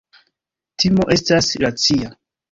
Timo estas racia.